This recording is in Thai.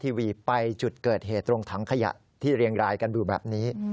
ทีวีไปจุดเกิดเหตุตรงถังขยะที่เรียงรายกันอยู่แบบนี้